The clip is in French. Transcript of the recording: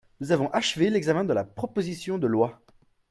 Nous avons achevé l’examen de la proposition de loi.